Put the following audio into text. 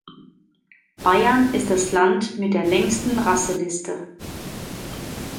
Bayern ist das Land mit der längsten Rasseliste.